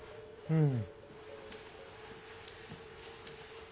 うん。